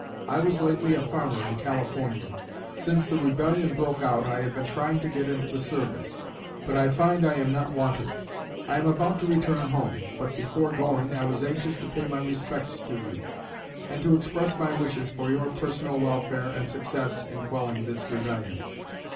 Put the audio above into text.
I was lately a farmer in California. Since the rebellion broke out I have been trying to get into the service; but I find I am not wanted. I am about to return home; but before going, I was anxious to pay my respects to you, and to express my wishes for your personal welfare and success in quelling this rebellion.